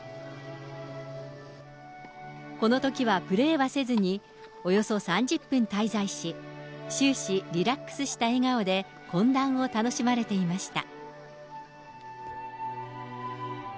このときはプレーはせずに、およそ３０分滞在し、終始リラックスした笑顔で懇談を楽しまれていました。